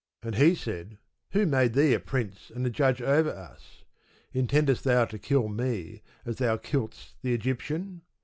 And he said, Who made thee a prince and a judge over us? intendest thou to kill me as thou killedst the Egyptian?